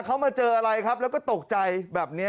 เขามาเจออะไรครับแล้วก็ตกใจแบบนี้